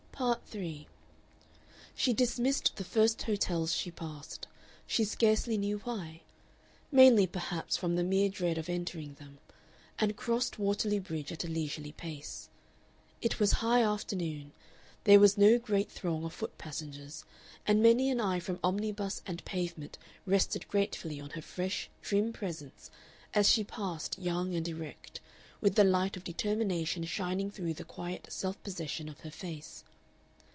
Part 3 She dismissed the first hotels she passed, she scarcely knew why, mainly perhaps from the mere dread of entering them, and crossed Waterloo Bridge at a leisurely pace. It was high afternoon, there was no great throng of foot passengers, and many an eye from omnibus and pavement rested gratefully on her fresh, trim presence as she passed young and erect, with the light of determination shining through the quiet self possession of her face.